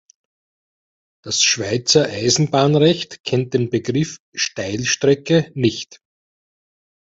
Das Schweizer Eisenbahnrecht kennt den Begriff Steilstrecke nicht.